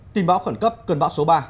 tình báo khẩn cấp cơn bão số ba